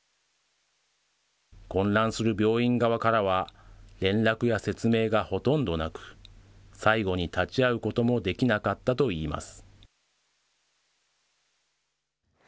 混乱する病院側からは、連絡や説明がほとんどなく、最期に立ち会うこともできなかったといいます。